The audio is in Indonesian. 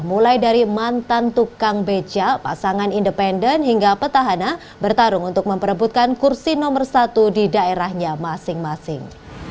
mulai dari mantan tukang beca pasangan independen hingga petahana bertarung untuk memperebutkan kursi nomor satu di daerahnya masing masing